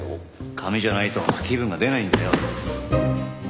紙じゃないと気分が出ないんだよ。